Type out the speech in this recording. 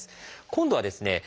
今度はですね